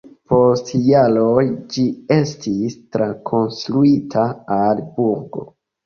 Post jaroj ĝi estis trakonstruita al burgo.